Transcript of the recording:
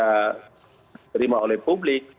terima oleh publik